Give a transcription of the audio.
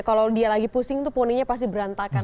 kalo dia lagi pusing tuh poninya pasti berantakan